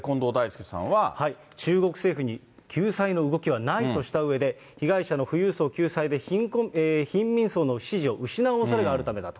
中国政府に救済の動きはないとしたうえで、被害者の富裕層救済で貧民層の支持を失うおそれがあるためだと。